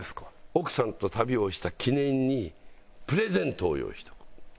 奥さんと旅をした記念にプレゼントを用意しておく。